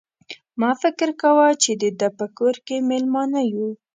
ما فکر کاوه چې د ده په کور کې مېلمانه یو.